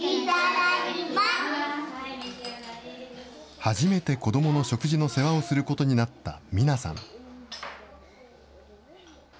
初めて子どもの食事の世話をすることになったミナさん。